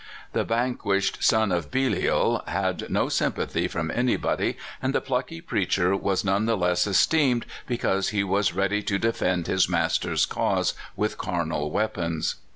The vanquished son of Belial had no sympathy from anybody, and the plucky preacher was none the less esteemed because he was ready to defend his Master's cause with carnal weapons.